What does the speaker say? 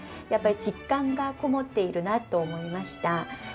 やっぱり実感がこもっているなと思いました。